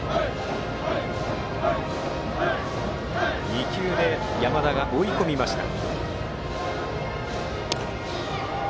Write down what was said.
２球で山田が追い込みました。